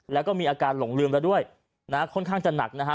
แล้วก็มีอาการหลงลืมแล้วด้วยนะฮะค่อนข้างจะหนักนะฮะ